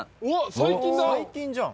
最近じゃん。